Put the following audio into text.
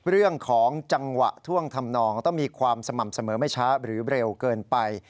เรื่องของจังหวะท่วงทำนองต้องมีความสม่ำเสมอไม่ช้าหรือเร็วเกินไป